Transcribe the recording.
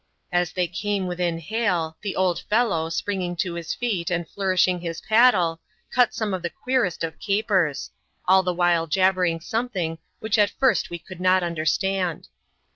Ab they came within hail, the old fellow, springing to his feet and flourishing his paddle, cut some of the queerest of capers ; dl the while jabbering something which at first we could ndt understand.